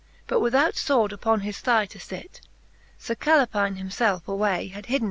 But without fword upon his thigh to fit : Sir Calepine himfelfe away had hidden it.